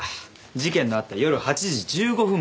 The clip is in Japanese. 事件のあった夜８時１５分